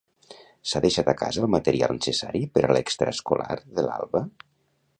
S'ha deixat a casa el material necessari per a l'extraescolar de l'Alba?